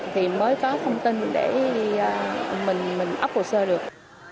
thì mới có thông tin để mình ấp hồ sơ được